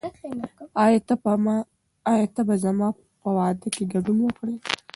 آیا ته به زما په واده کې ګډون وکړې؟